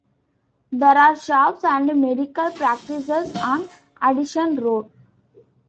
There are shops and medical practices on Addison Road.